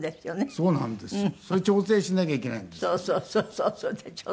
そうそうそうそう。